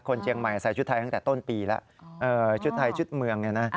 เชียงใหม่ใส่ชุดไทยตั้งแต่ต้นปีแล้วชุดไทยชุดเมืองเนี่ยนะ